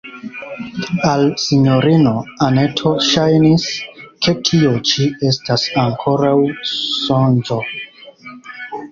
Al sinjorino Anneto ŝajnis, ke tio ĉi estas ankoraŭ sonĝo.